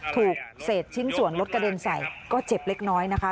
ถูกเศษชิ้นส่วนรถกระเด็นใส่ก็เจ็บเล็กน้อยนะคะ